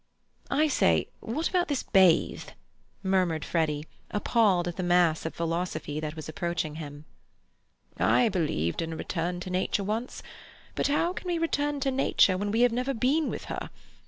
"I say, what about this bathe?" murmured Freddy, appalled at the mass of philosophy that was approaching him. "I believed in a return to Nature once. But how can we return to Nature when we have never been with her?